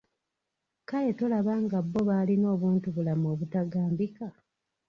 Kale tolaba nga bo baalina obuntubulamu obutagambika?